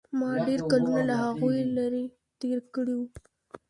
ما ډېر کلونه له هغوى لرې تېر کړي وو.